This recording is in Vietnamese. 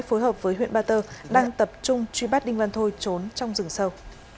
phối hợp với huyện ba tơ đang tập trung truy bắt đinh văn thôi trốn trong rừng sâu